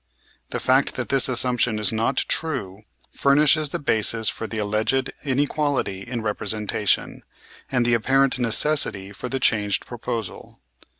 The fact that this assumption is not true furnishes the basis for the alleged inequality in representation, and the apparent necessity for the change proposed.